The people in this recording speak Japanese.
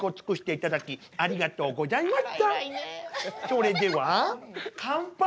それでは乾杯！